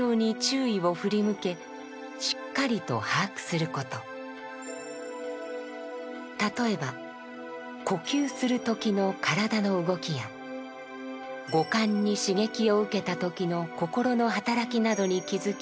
「念処」とは例えば呼吸する時の身体の動きや五感に刺激を受けた時の心の働きなどに気づき観察します。